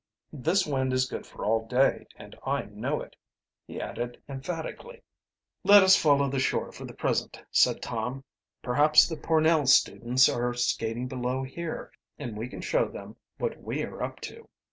"This wind is good for all day, and I know it," he added emphatically. "Let us follow the shore for the present," said Tom. "Perhaps the Pornell students are skating below here and we can show them what we are up to."